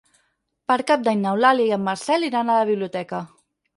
Per Cap d'Any n'Eulàlia i en Marcel iran a la biblioteca.